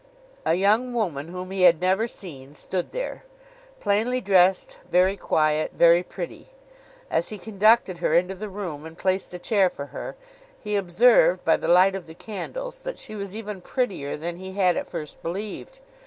A young woman whom he had never seen stood there. Plainly dressed, very quiet, very pretty. As he conducted her into the room and placed a chair for her, he observed, by the light of the candles, that she was even prettier than he had at first believed.